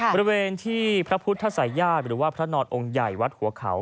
บริเวณที่พระพุทธศัยญาติหรือว่าพระนอนองค์ใหญ่วัดหัวเขา